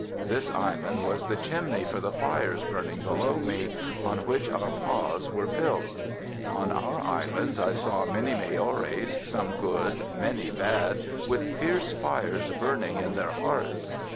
This island was the chimney for the fires burning below me, on which our pahs were built. On our islands I saw many Maoris, some good, many bad with fierce fires burning in their hearts.